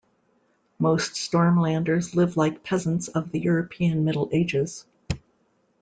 Most Stormlanders live like peasants of the European Middle Ages.